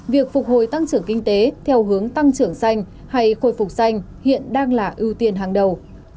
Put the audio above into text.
việc phục hồi tăng trưởng kinh tế theo hướng tăng trưởng xanh hay khôi phục xanh hiện đang là ưu tiên hàng đầu